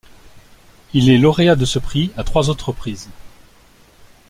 Il est lauréat de ce prix à trois autres reprises.